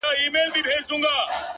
• اول بویه چي انسان نه وي وطن کي ,